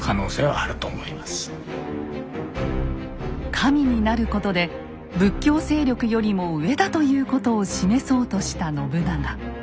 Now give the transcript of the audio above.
神になることで仏教勢力よりも上だということを示そうとした信長。